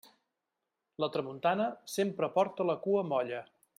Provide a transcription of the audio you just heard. La tramuntana sempre porta la cua molla.